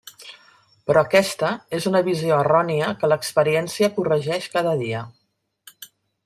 Però aquesta és una visió errònia que l'experiència corregeix cada dia.